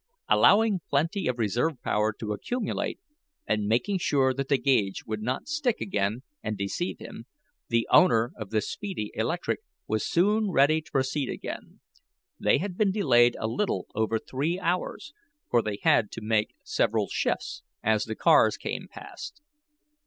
Allowing plenty of reserve power to accumulate, and making sure that the gauge would not stick again, and deceive him, the owner of the speedy electric was soon ready to proceed again. They had been delayed a little over three hours, for they had to make several shifts, as the cars came past.